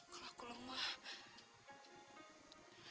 kalau aku lemah